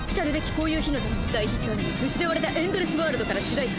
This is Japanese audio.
こういう日のために大ヒットアニメ『失われたエンドレスワールド』から主題歌